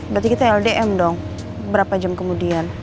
berarti kita ldm dong berapa jam kemudian